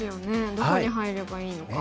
どこに入ればいいのか。